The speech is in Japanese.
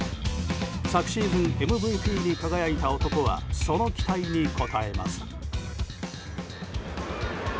昨シーズンＭＶＰに輝いた男はその期待に応えます。